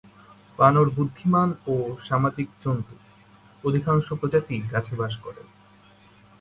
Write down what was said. বানর বুদ্ধিমান ও সামাজিক জন্তু; অধিকাংশ প্রজাতিই গাছে বাস করে।